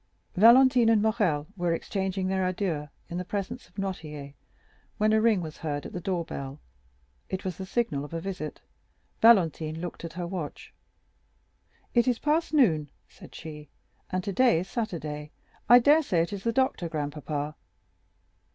Valentine and Morrel were exchanging their adieux in the presence of Noirtier when a ring was heard at the door bell. It was the signal of a visit. Valentine looked at her watch. "It is past noon," said she, "and today is Saturday; I dare say it is the doctor, grandpapa."